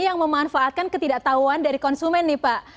yang memanfaatkan ketidaktahuan dari konsumen nih pak